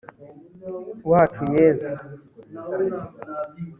wacu yezu